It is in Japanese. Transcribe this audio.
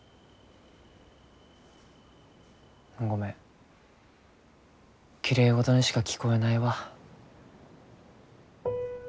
ごめんきれいごどにしか聞こえないわ。